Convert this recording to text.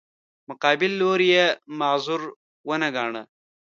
مقابل لوری یې معذور ونه ګاڼه.